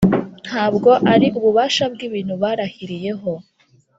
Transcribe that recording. Nta bwo ari ububasha bw’ibintu barahiriyeho,